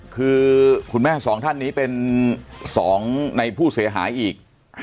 คือคุณแม่สองท่านนี้เป็น๒ในผู้เสียหายอีก